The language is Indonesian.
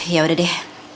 ya udah deh